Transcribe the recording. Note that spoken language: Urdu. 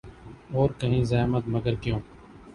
اور کہیں زحمت ، مگر کیوں ۔